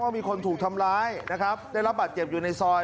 มีคนถูกทำร้ายนะครับได้รับบาดเจ็บอยู่ในซอย